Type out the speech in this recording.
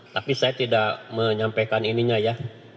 tapi saya tidak menyampaikan ininya ya